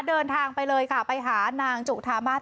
เดินทางไปเลยค่ะไปหานางจุธามาส